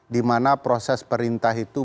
dimana proses perintah itu